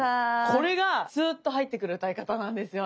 これがスーッと入ってくる歌い方なんですよね。へ。